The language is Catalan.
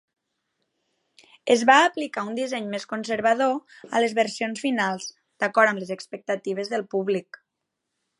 Es va aplicar un disseny més conservador a les versions finals, d'acord amb les expectatives del públic.